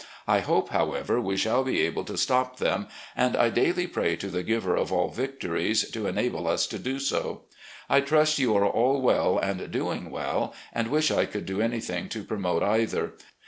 I hope, however, we shall be able to stop them, and I daily pray to the Giver of all victories to enable us to do so. ... I trust you are all well and doing well, and wish I could do an3rthing to promote either.